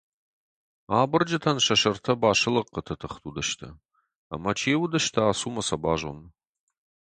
Абырджытӕн сӕ сӕртӕ басылыхъхъыты тыхт уыдысты, ӕмӕ, чи уыдысты — ацу ӕмӕ сӕ базон!